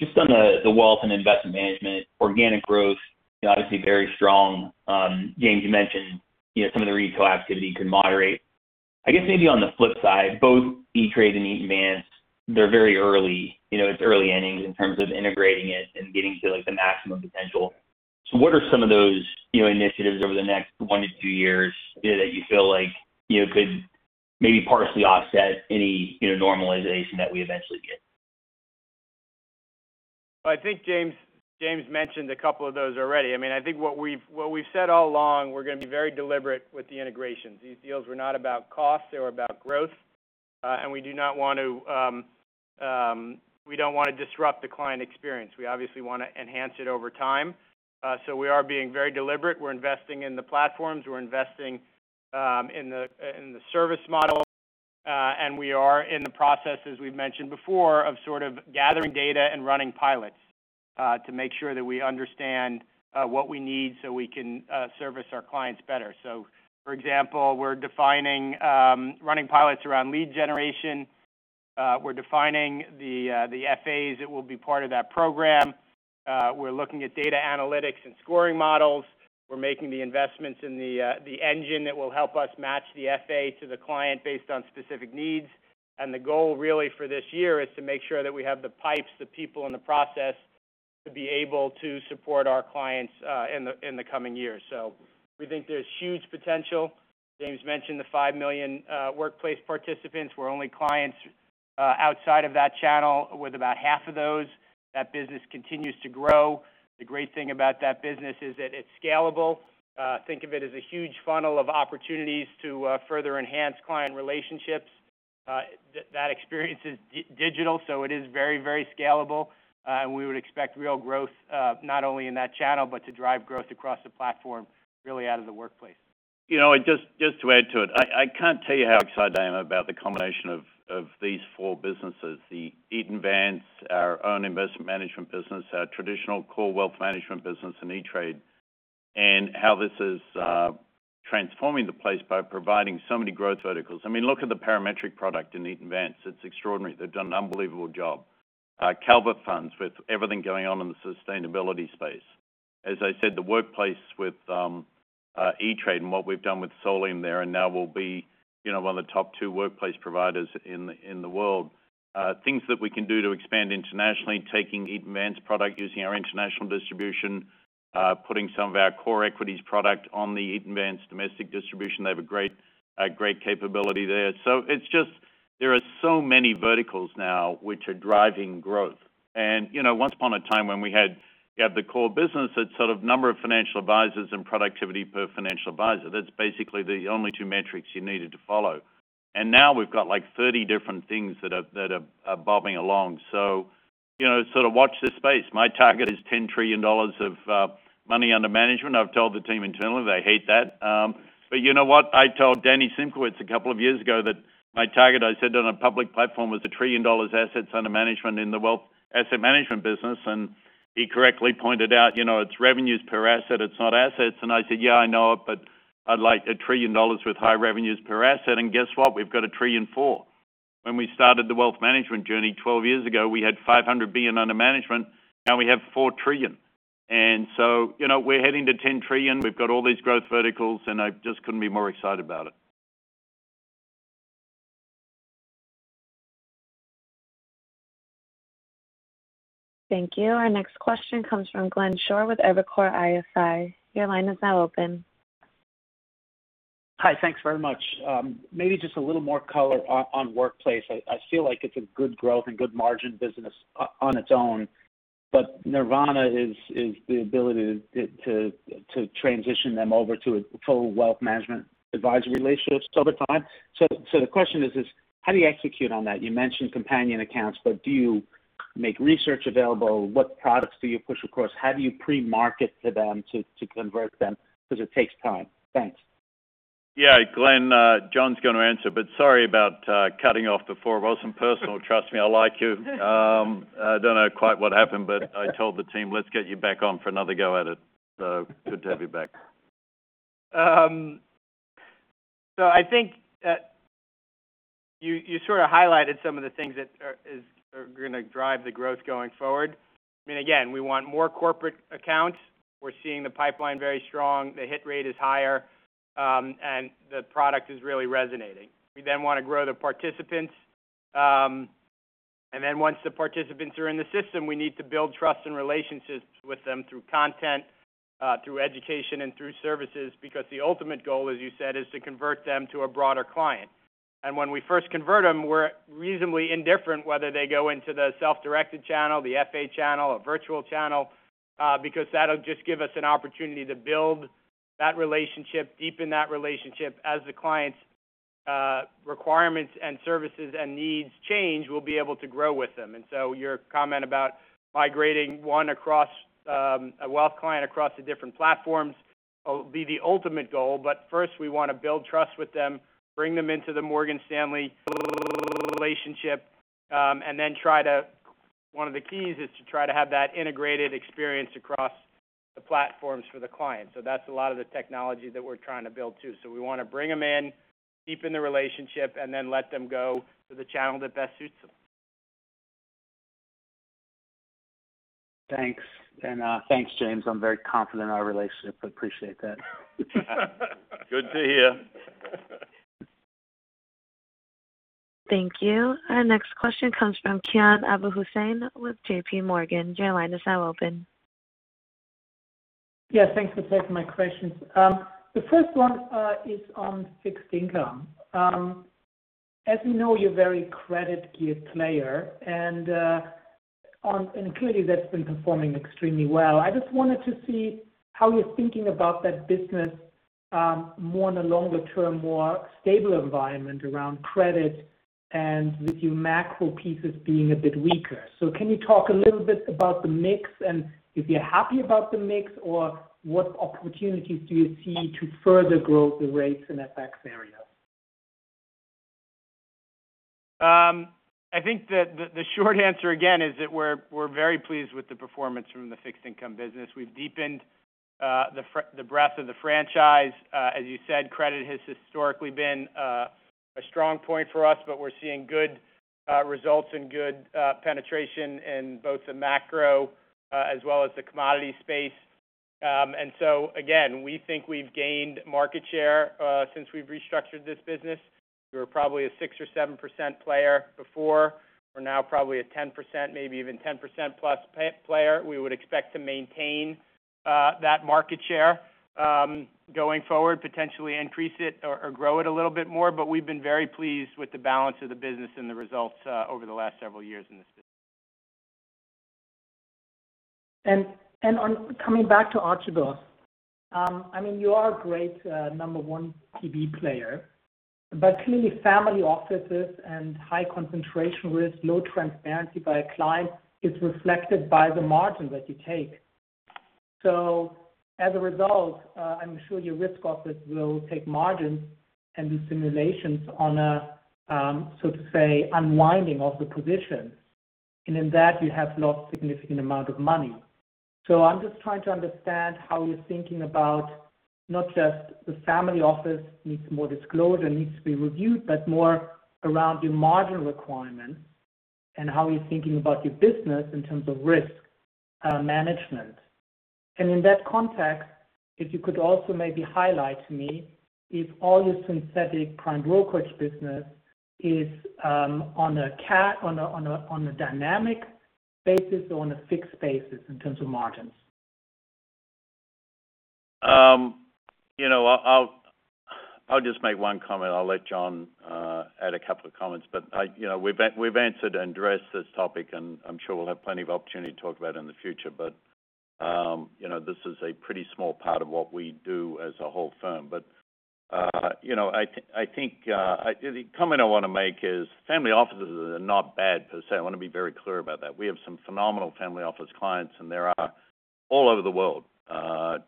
just on the Wealth and Investment Management organic growth, obviously very strong. James, you mentioned some of the retail activity could moderate. I guess maybe on the flip side, both E*TRADE and E*TRADE, they're very early. It's early innings in terms of integrating it and getting to the maximum potential. What are some of those initiatives over the next one to two years that you feel like could maybe partially offset any normalization that we eventually get? I think James mentioned a couple of those already. I think what we've said all along, we're going to be very deliberate with the integrations. These deals were not about cost, they were about growth. We don't want to disrupt the client experience. We obviously want to enhance it over time. We are being very deliberate. We're investing in the platforms. We're investing in the service model. We are in the process, as we've mentioned before, of sort of gathering data and running pilots to make sure that we understand what we need so we can service our clients better. For example, we're defining running pilots around lead generation. We're defining the FAs that will be part of that program. We're looking at data analytics and scoring models. We're making the investments in the engine that will help us match the FA to the client based on specific needs. The goal really for this year is to make sure that we have the pipes, the people, and the process to be able to support our clients in the coming years. We think there's huge potential. James mentioned the five million workplace participants were only clients outside of that channel, with about half of those, that business continues to grow. The great thing about that business is that it's scalable. Think of it as a huge funnel of opportunities to further enhance client relationships. That experience is digital, so it is very scalable. We would expect real growth, not only in that channel, but to drive growth across the platform, really out of the workplace. Just to add to it, I can't tell you how excited I am about the combination of these four businesses, the Eaton Vance, our own investment management business, our traditional core wealth management business, and E*TRADE, and how this is transforming the place by providing so many growth verticals. Look at the Parametric product in Eaton Vance. It's extraordinary. They've done an unbelievable job. Calvert Funds, with everything going on in the sustainability space. As I said, the workplace with E*TRADE and what we've done with Solium there, and now we'll be one of the top two workplace providers in the world. Things that we can do to expand internationally, taking Eaton Vance product, using our international distribution, putting some of our core equities product on the Eaton Vance domestic distribution. They have a great capability there. It's just there are so many verticals now which are driving growth. Once upon a time when we had the core business, it's sort of number of financial advisors and productivity per financial advisor. That's basically the only two metrics you needed to follow. Now we've got 30 different things that are bobbing along. Sort of watch this space. My target is $10 trillion of money under management. I've told the team internally they hate that. You know what? I told Dan Simkowitz a couple of years ago that my target, I said on a public platform, was $1 trillion assets under management in the wealth asset management business, and he correctly pointed out, it's revenues per asset, it's not assets. I said, Yeah, I know it, but I'd like $1 trillion with high revenues per asset. Guess what? We've got $1 trillion and four. When we started the wealth management journey 12 years ago, we had $500 billion under management. Now we have $4 trillion. We're heading to $10 trillion. We've got all these growth verticals, and I just couldn't be more excited about it. Thank you. Our next question comes from Glenn Schorr with Evercore ISI. Your line is now open. Hi. Thanks very much. Maybe just a little more color on Workplace. I feel like it's a good growth and good margin business on its own, but nirvana is the ability to transition them over to a full wealth management advisory relationship over time. The question is: how do you execute on that? You mentioned companion accounts, but do you make research available? What products do you push across? How do you pre-market to them to convert them? It takes time. Thanks. Yeah, Glenn, Jon's going to answer, but sorry about cutting off before. It wasn't personal. Trust me, I like you. I don't know quite what happened, but I told the team, let's get you back on for another go at it. Good to have you back. I think you sort of highlighted some of the things that are going to drive the growth going forward. Again, we want more corporate accounts. We're seeing the pipeline very strong. The hit rate is higher, and the product is really resonating. We then want to grow the participants. Once the participants are in the system, we need to build trust and relationships with them through content, through education, and through services, because the ultimate goal, as you said, is to convert them to a broader client. When we first convert them, we're reasonably indifferent whether they go into the self-directed channel, the FA channel, a virtual channel because that'll just give us an opportunity to build that relationship, deepen that relationship. As the client's requirements and services and needs change, we'll be able to grow with them. Your comment about migrating one across, a wealth client across the different platforms will be the ultimate goal. First, we want to build trust with them, bring them into the Morgan Stanley relationship, and then one of the keys is to try to have that integrated experience across the platforms for the client. That's a lot of the technology that we're trying to build, too. We want to bring them in, deepen the relationship, and then let them go to the channel that best suits them. Thanks. Thanks, James. I'm very confident in our relationship. I appreciate that. Good to hear. Thank you. Our next question comes from Kian Abouhossein with JPMorgan. Your line is now open. Thanks for taking my questions. The first one is on fixed income. As we know, you're very credit-geared player, and clearly that's been performing extremely well. I just wanted to see how you're thinking about that business more in a longer-term, more stable environment around credit, and with your macro pieces being a bit weaker. Can you talk a little bit about the mix, and if you're happy about the mix, or what opportunities do you see to further grow the rates and FX area? I think that the short answer, again, is that we're very pleased with the performance from the fixed income business. We've deepened the breadth of the franchise. As you said, credit has historically been a strong point for us, but we're seeing good results and good penetration in both the macro as well as the commodity space. Again, we think we've gained market share since we've restructured this business. We were probably a 6% or 7% player before. We're now probably a 10%, maybe even 10%+ player. We would expect to maintain that market share going forward, potentially increase it or grow it a little bit more. We've been very pleased with the balance of the business and the results over the last several years in this. Coming back to Archegos. You are a great number one PB player. Clearly family offices and high concentration risk, low transparency by a client is reflected by the margin that you take. As a result, I'm sure your risk office will take margins and do simulations on a, so to say, unwinding of the positions. In that, you have lost significant amount of money. I'm just trying to understand how you're thinking about not just the family office needs more disclosure, needs to be reviewed, but more around your margin requirements and how you're thinking about your business in terms of risk management. In that context, if you could also maybe highlight to me if all your synthetic prime brokerage business is on a dynamic basis or on a fixed basis in terms of margins. I'll just make one comment. I'll let Jon add a couple of comments. We've answered and addressed this topic, and I'm sure we'll have plenty of opportunity to talk about it in the future. This is a pretty small part of what we do as a whole firm. The comment I want to make is family offices are not bad per se. I want to be very clear about that. We have some phenomenal family office clients, and there are all over the world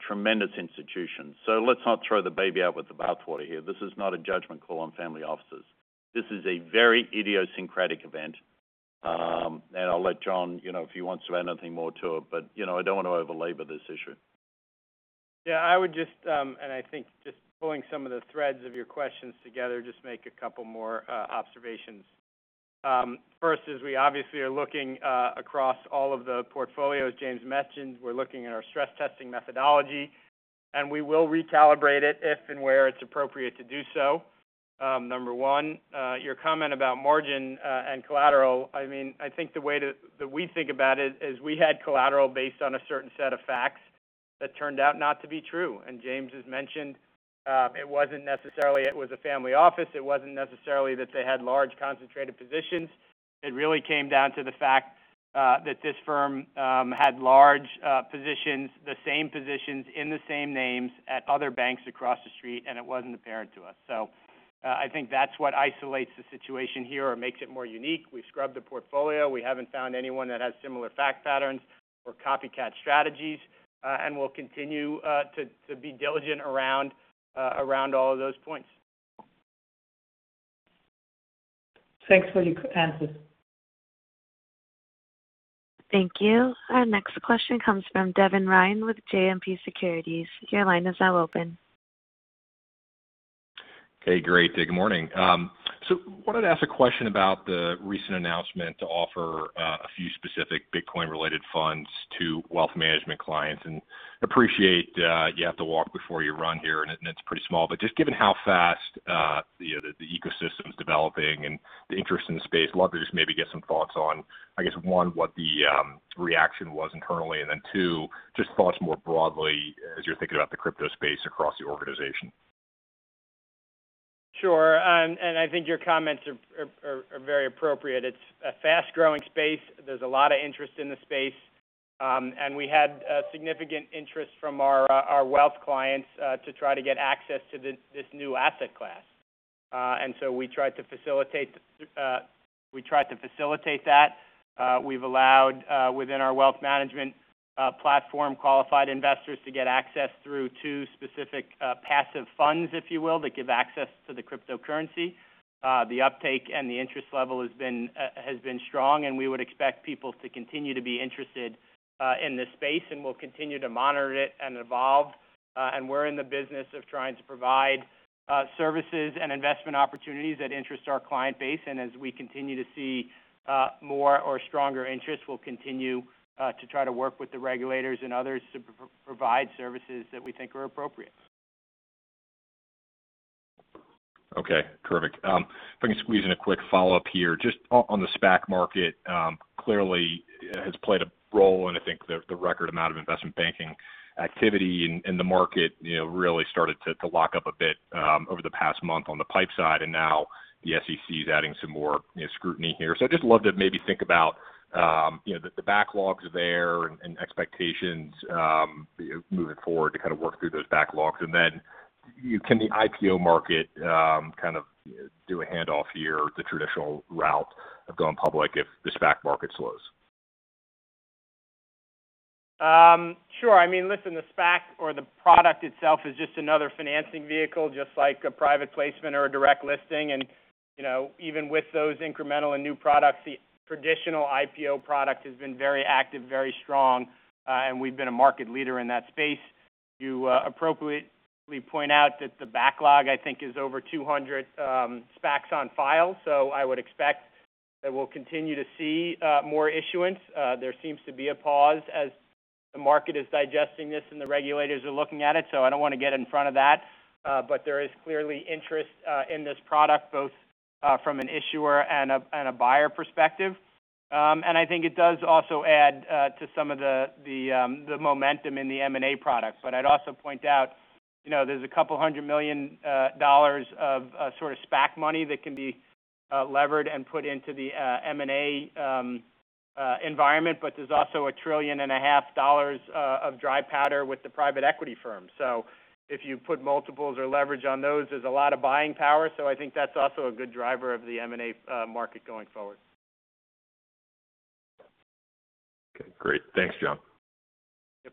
tremendous institutions. Let's not throw the baby out with the bathwater here. This is not a judgment call on family offices. This is a very idiosyncratic event. I'll let Jon, if he wants to add anything more to it, but I don't want to over-labor this issue. Yeah, I would just, and I think just pulling some of the threads of your questions together, just make a couple more observations. First is we obviously are looking across all of the portfolios James mentioned. We're looking at our stress testing methodology, and we will recalibrate it if and where it's appropriate to do so. Number one, your comment about margin and collateral, I think the way that we think about it is we had collateral based on a certain set of facts that turned out not to be true. James has mentioned, it wasn't necessarily it was a family office. It wasn't necessarily that they had large concentrated positions. It really came down to the fact that this firm had large positions, the same positions in the same names at other banks across the street, and it wasn't apparent to us. I think that's what isolates the situation here or makes it more unique. We've scrubbed the portfolio. We haven't found anyone that has similar fact patterns or copycat strategies. We'll continue to be diligent around all of those points. Thanks for your answers. Thank you. Our next question comes from Devin Ryan with JMP Securities. Your line is now open. Hey, great. Good morning. Wanted to ask a question about the recent announcement to offer a few specific Bitcoin-related funds to wealth management clients. Appreciate you have to walk before you run here, and it's pretty small. Just given how fast the ecosystem's developing and the interest in the space, love to just maybe get some thoughts on, I guess, one, what the reaction was internally, and then two, just thoughts more broadly as you're thinking about the crypto space across the organization? Sure. I think your comments are very appropriate. It's a fast-growing space. There's a lot of interest in the space. We had significant interest from our wealth clients to try to get access to this new asset class. We tried to facilitate that. We've allowed within our wealth management platform qualified investors to get access through two specific passive funds, if you will, that give access to the cryptocurrency. The uptake and the interest level has been strong, and we would expect people to continue to be interested in this space, and we'll continue to monitor it and evolve. We're in the business of trying to provide services and investment opportunities that interest our client base. As we continue to see more or stronger interest, we'll continue to try to work with the regulators and others to provide services that we think are appropriate. Okay, perfect. If I can squeeze in a quick follow-up here, just on the SPAC market, clearly has played a role in, I think, the record amount of investment banking activity in the market really started to lock up a bit over the past month on the PIPE side, and now the SEC is adding some more scrutiny here. I'd just love to maybe think about the backlogs there and expectations moving forward to kind of work through those backlogs. Then can the IPO market kind of do a handoff here, the traditional route of going public if the SPAC market slows? Sure. I mean, listen, the SPAC or the product itself is just another financing vehicle, just like a private placement or a direct listing. Even with those incremental and new products, the traditional IPO product has been very active, very strong, and we've been a market leader in that space. You appropriately point out that the backlog, I think, is over 200 SPACs on file. I would expect that we'll continue to see more issuance. There seems to be a pause as the market is digesting this and the regulators are looking at it. I don't want to get in front of that. There is clearly interest in this product, both from an issuer and a buyer perspective. I think it does also add to some of the momentum in the M&A product. I'd also point out, there's a couple hundred million dollars of sort of SPAC money that can be levered and put into the M&A environment, but there's also a trillion and a half dollars of dry powder with the private equity firms. If you put multiples or leverage on those, there's a lot of buying power. I think that's also a good driver of the M&A market going forward. Okay, great. Thanks, Jon. Yep.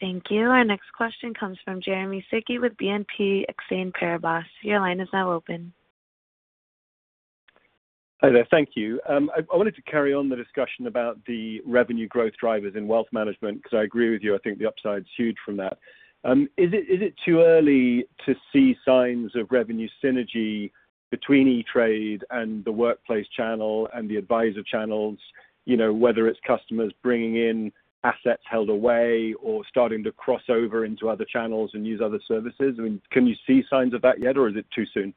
Thank you. Our next question comes from Jeremy Sigee with Exane BNP Paribas. Your line is now open. Hi there. Thank you. I wanted to carry on the discussion about the revenue growth drivers in wealth management, because I agree with you, I think the upside's huge from that. Is it too early to see signs of revenue synergy between E*TRADE and the workplace channel and the advisor channels, whether it's customers bringing in assets held away or starting to cross over into other channels and use other services? Can you see signs of that yet, or is it too soon?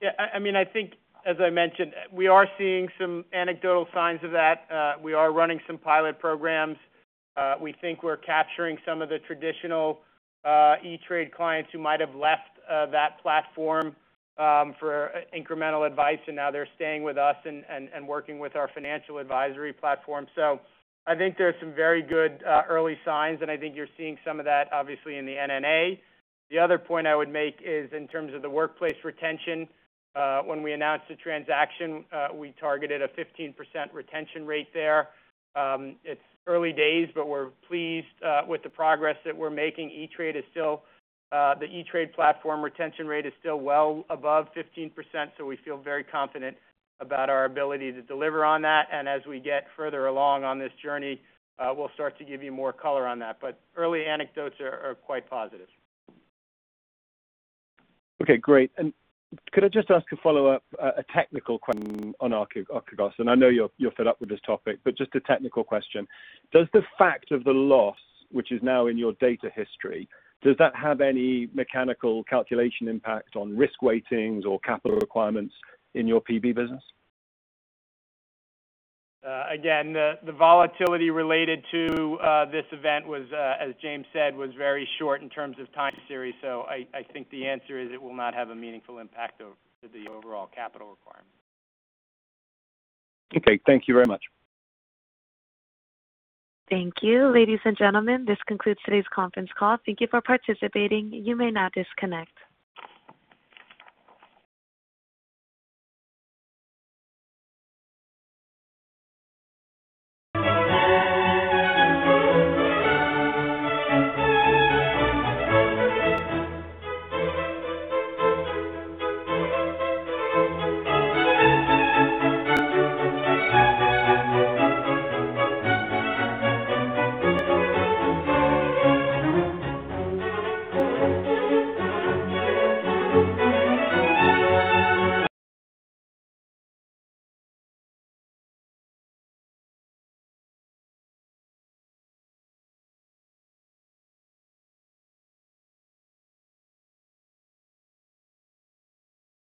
Yeah. I think, as I mentioned, we are seeing some anecdotal signs of that. We are running some pilot programs. We think we're capturing some of the traditional E*TRADE clients who might have left that platform for incremental advice, and now they're staying with us and working with our financial advisory platform. I think there's some very good early signs, and I think you're seeing some of that obviously in the NNA. The other point I would make is in terms of the workplace retention. When we announced the transaction, we targeted a 15% retention rate there. It's early days, but we're pleased with the progress that we're making. The E*TRADE platform retention rate is still well above 15%, so we feel very confident about our ability to deliver on that. As we get further along on this journey, we'll start to give you more color on that. Early anecdotes are quite positive. Okay, great. Could I just ask a follow-up, a technical question on Archegos, and I know you're fed up with this topic, but just a technical question. Does the fact of the loss, which is now in your data history, does that have any mechanical calculation impact on risk weightings or capital requirements in your PB business? Again, the volatility related to this event, as James said, was very short in terms of time series. I think the answer is it will not have a meaningful impact over the overall capital requirement. Okay. Thank you very much. Thank you. Ladies and gentlemen, this concludes today's conference call. Thank you for participating. You may now disconnect.